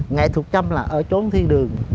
nghệ thuật châm là ở chốn thiên đường